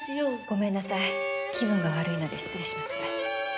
ごめんなさい気分が悪いので失礼します。